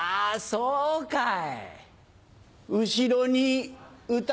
そうかい？